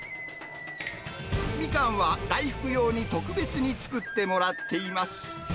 ミカンは、大福用に特別に作ってもらっています。